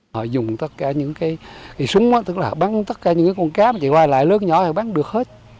họ dùng tất cả những cái súng tức là bắn tất cả những con cá mà chỉ hoài lại lớn nhỏ thì bắn được hết